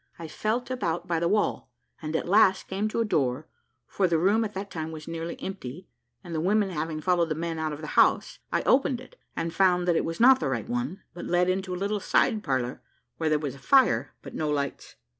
I felt about by the wall, and at last came to a door, for the room at that time was nearly empty, the women having followed the men out of the house. I opened it, and found that it was not the right one, but led into a little side parlour, where there was a fire, but no lights.